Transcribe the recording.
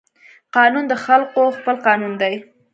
قانون د خلقو خپل قانون دى.